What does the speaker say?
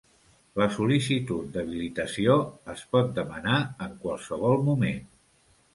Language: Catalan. La sol·licitud d'habilitació es pot demanar en qualsevol moment.